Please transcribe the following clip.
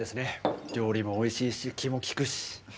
料理もおいしいし気も利くし。